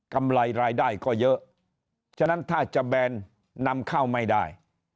ำไรรายได้ก็เยอะฉะนั้นถ้าจะแบนนำเข้าไม่ได้